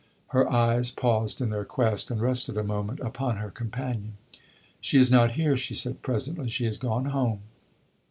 Her eyes paused in their quest, and rested a moment upon her companion. "She is not here," she said presently. "She has gone home."